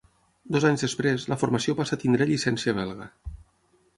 Dos anys després, la formació passa a tenir llicència belga.